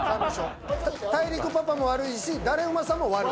大陸パパも悪いし、だれウマさんも悪い。